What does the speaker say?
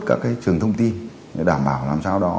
các trường thông tin để đảm bảo làm sao đó